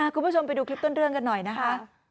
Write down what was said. คุณผู้ชมไปดูคลิปต้นเรื่องกันหน่อยนะคะ